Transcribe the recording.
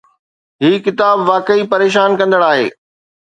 هي ڪتاب واقعي پريشان ڪندڙ آهي.